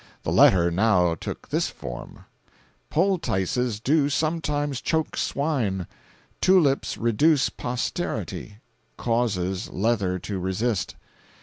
The letter now took this form: "Poultices do sometimes choke swine; tulips reduce posterity; causes leather to resist.